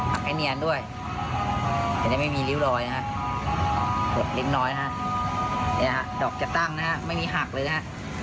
ให้เนียนด้วยอันนี้ไม่มีริ้วรอยนะฮะกดลิ้นน้อยนะฮะดอกจะตั้งนะฮะไม่มีหักเลยนะฮะ